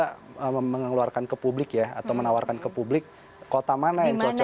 kita mengeluarkan ke publik ya atau menawarkan ke publik kota mana yang cocok